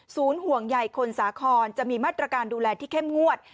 ห่วงใหญ่คนสาครจะมีมาตรการดูแลที่เข้มงวด